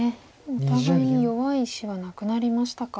お互いに弱い石はなくなりましたか。